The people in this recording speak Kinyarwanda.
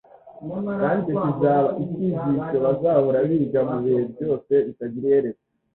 Kandi icyo kizaba icyigisho bazahora biga mu bihe byose bitagira iherezo.